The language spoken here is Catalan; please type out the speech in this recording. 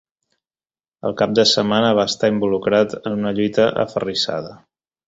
El cap de setmana va estar involucrat en una lluita aferrissada.